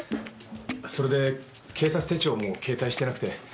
それで警察手帳も携帯してなくて。